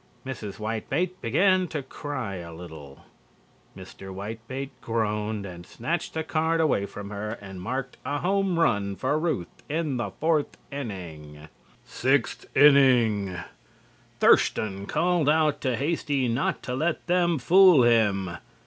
Mrs. Whitebait began to cry a little. Mr. Whitebait groaned and snatched the card away from her and marked a home run for Ruth in the fourth inning. SIXTH INNING: Thurston called out to Hasty not to let them fool him.